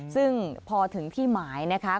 ซึ่งพอถึงที่หมายนะคะ